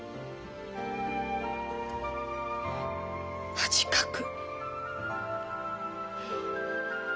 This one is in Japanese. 恥かく。